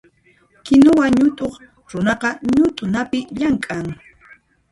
Kinuwa ñutuq runaqa ñutunapi llamk'an.